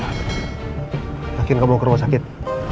yakin kamu mau ke rumah sakit